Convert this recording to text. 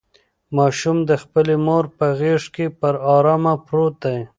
ماشوم د خپلې مور په غېږ کې په ارامه پروت دی.